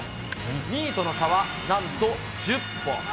２位との差はなんと１０本。